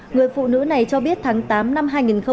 người phụ nữ này cho biết tháng tám năm hai nghìn hai mươi